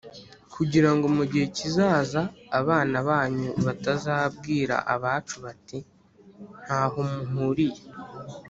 kugira ngo mu gihe kizaza abana banyu batazabwira abacu bati nta ho muhuriye.